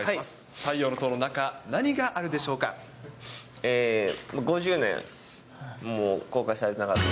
太陽の塔の中、何があるでしょう５０年、もう公開されてなかった。